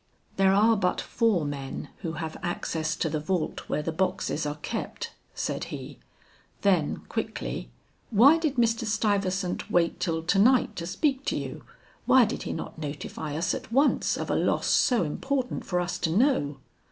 "There are but four men who have access to the vault where the boxes are kept," said he: then quickly, "Why did Mr. Stuyvesant wait till to night to speak to you? Why did he not notify us at once of a loss so important for us to know?"